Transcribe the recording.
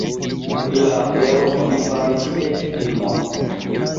Pri la afero oni faris eĉ filmon.